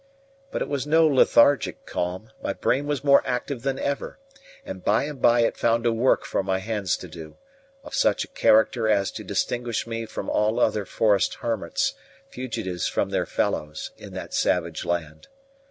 But it was no lethargic calm; my brain was more active than ever; and by and by it found a work for my hands to do, of such a character as to distinguish me from all other forest hermits, fugitives from their fellows, in that savage land.